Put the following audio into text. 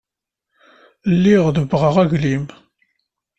Lliɣ debbɣeɣ aglim.